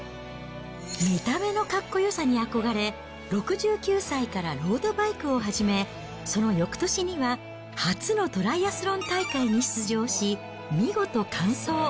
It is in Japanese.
見た目のかっこよさに憧れ、６９歳からロードバイクを始め、そのよくとしには初のトライアスロン大会に出場し、見事完走。